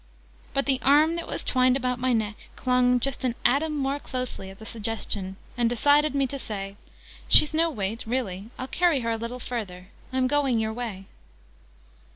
But the arm, that was twined about my neck, clung just an atom more closely at the suggestion, and decided me to say "She's no weight, really. I'll carry her a little further. I'm going your way."